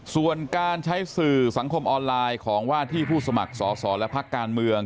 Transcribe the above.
ส่วนการใช้สื่อสังคมออนไลน์ของว่าที่ผู้สมัครสอสอและพักการเมือง